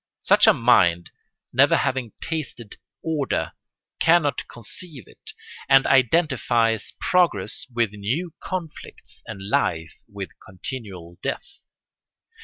Such a mind, never having tasted order, cannot conceive it, and identifies progress with new conflicts and life with continual death.